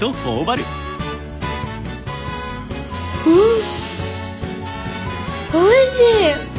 んおいしい！